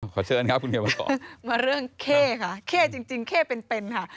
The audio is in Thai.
ขอเชิญอันนี้ครับคุณเฮียมาเรื่องเข้ค่ะเข้จริงเข้เป็นค่ะ